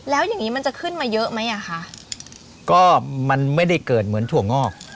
แล้วอย่างงี้มันจะขึ้นมาเยอะไหมอ่ะคะก็มันไม่ได้เกิดเหมือนถั่วงอก